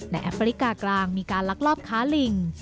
และแอฟริกากลางมีการลักลอบค้าลิง